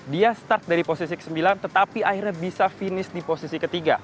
dia start dari posisi ke sembilan tetapi akhirnya bisa finish di posisi ketiga